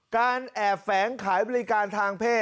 การแอบแฝงขายบริการทางเพศ